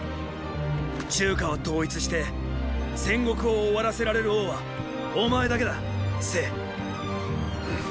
中華を統一して戦国を終わらせられる王はお前だけだ政。